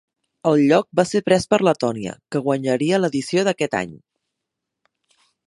El lloc va ser pres per Letònia, que guanyaria l'edició d'aquest any.